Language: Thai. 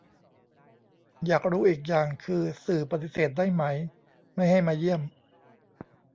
อยากรู้อีกอย่างคือ สื่อปฏิเสธได้ไหม ไม่ให้มาเยี่ยม